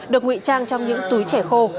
được ngụy trang trong những túi chẻ khô